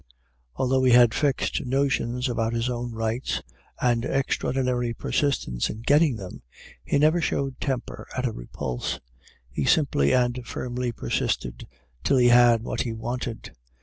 Although he had fixed notions about his own rights, and extraordinary persistency in getting them, he never showed temper at a repulse; he simply and firmly persisted till he had what he wanted.